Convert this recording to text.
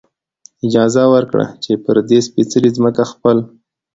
اجازه ورکړه، چې پر دې سپېڅلې ځمکې خپل.